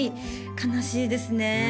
悲しいですねえ